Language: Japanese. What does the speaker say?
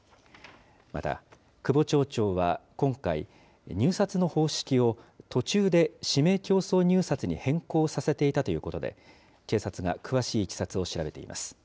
また久保町長は今回、入札の方式を途中で指名競争入札に変更させていたということで、警察が詳しいいきさつを調べています。